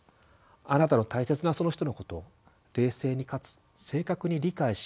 あなたの大切なその人のことを冷静にかつ正確に理解しようとしてみてください。